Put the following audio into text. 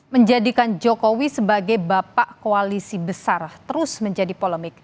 menjadikan jokowi sebagai bapak koalisi besar terus menjadi polemik